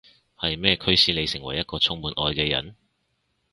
係咩驅使你成為一個充滿愛嘅人？